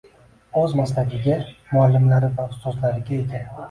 O‘z maslagiga, muallimlari va ustozlariga ega.